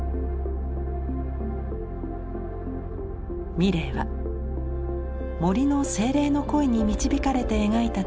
ミレイは「森の精霊の声に導かれて描いた」と語っています。